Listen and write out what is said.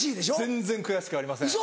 全然悔しくありません。